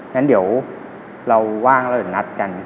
งั้นเดี๋ยวเราว่างเราจะนัดกัน